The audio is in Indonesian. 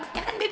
ya kan beb